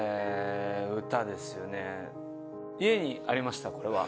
家にありましたこれは。